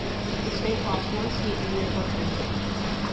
The state lost one seat in reapportionment.